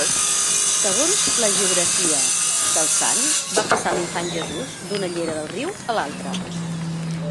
Segons l'hagiografia del sant, va passar l'infant Jesús d'una llera del riu a l'altra.